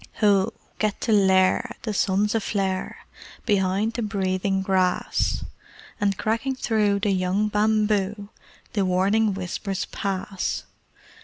Ho! Get to lair! The sun's aflare Behind the breathing grass: And cracking through the young bamboo The warning whispers pass.